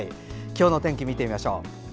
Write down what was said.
今日の天気を見てみましょう。